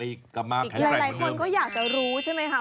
อีกหลายคนก็อยากจะรู้ใช่ไหมคะ